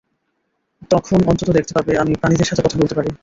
তখন অন্তত দেখতে পাবে, আমি প্রাণীদের সাথে কথা বলতে পারি।